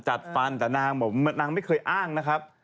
จัดฟันแต่นางไม่เคยอ้างนะครับ